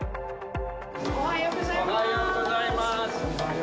おはようございます。